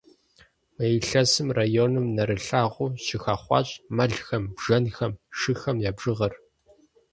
Мы илъэсым районым нэрылъагъуу щыхэхъуащ мэлхэм, бжэнхэм, шыхэм я бжыгъэр.